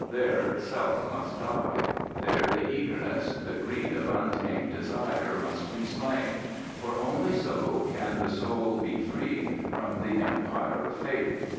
There Self must die; there the eagerness, the greed of untamed desire must be slain, for only so can the soul be freed from the empire of Fate.